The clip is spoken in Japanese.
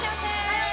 はい！